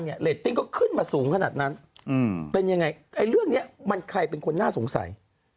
เรตติ้งก็ขึ้นมาสูงขนาดนั้นเป็นยังไงเรื่องนี้มันใครเป็นคนน่าสงสัย